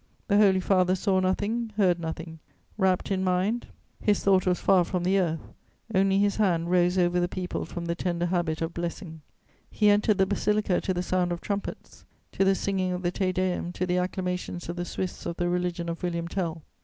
The Holy Father saw nothing, heard nothing; rapt in mind, his thought was far from the earth; only his hand rose over the people from the tender habit of blessing. He entered the basilica to the sound of trumpets, to the singing of the Te Deum, to the acclamations of the Swiss of the religion of William Tell.